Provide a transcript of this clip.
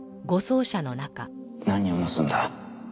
何を盗んだ？